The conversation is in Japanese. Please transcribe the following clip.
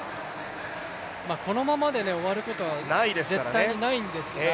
このままで終わるとは絶対にないんですが。